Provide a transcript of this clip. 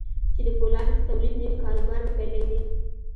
چې د پولادو د توليد نوي کاروبار به پيلوي.